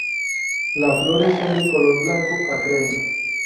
La flores son de color blanco a crema.